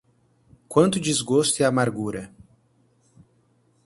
Quanto desgosto e amargura